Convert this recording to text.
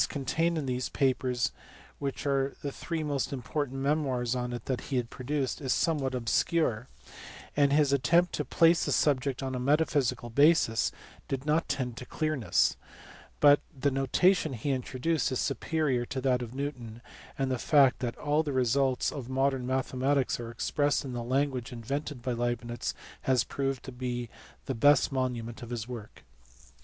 369 contained in these papers, which are the three most important memoirs on it that he produced, is somewhat obscure, and his attempt to place the subject on a metaphysical basis did not tend to clearness; but the notation he introduced is superior to that of Newton, and the fact that all the results of modern mathematics are expressed in the language invented by Leib nitz has proved the best monument of his work.